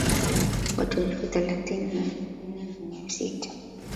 watu elfu thelathini na nne na mia sita